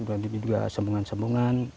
dan juga sembungan sembungan